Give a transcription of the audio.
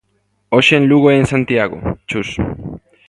Hoxe en Lugo e en Santiago, Chus.